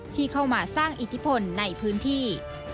ที่เข้ามาสร้างอิทธิพลในพื้นที่